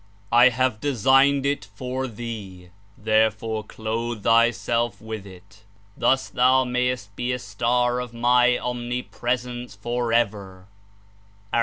I have designed it for thee; therefore clothe thyself zi:ith it. Thus thou mayest he a star of my Omnipresence forever.'' (A.